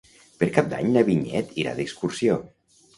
Per Cap d'Any na Vinyet irà d'excursió.